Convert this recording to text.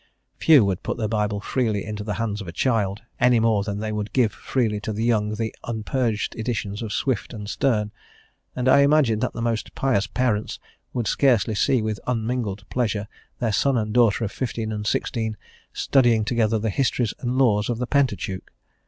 Few would put the Bible freely into the hands of a child, any more than they would give freely to the young the unpurged editions of Swift and Sterne; and I imagine that the most pious parents would scarcely see with un mingled pleasure their son and daughter of fifteen and sixteen studying together the histories and laws of the Pentateuch.